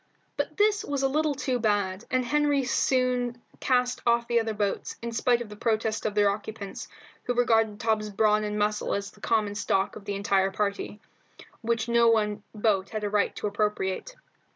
But this was a little too bad, and Henry soon cast off the other boats, in spite of the protests of their occupants, who regarded Tom's brawn and muscle as the common stock of the entire party, which no one boat had a right to appropriate.